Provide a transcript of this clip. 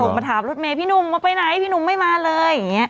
ตลอดส่งมาถามรถเมย์พี่นุ่มมาไปไหนพี่นุ่มไม่มาเลยอย่างเงี้ย